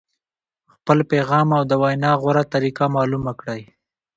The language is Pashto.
خپل پیغام او د وینا غوره طریقه معلومه کړئ.